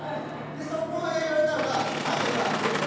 その後輩が言われたのが「あなた今」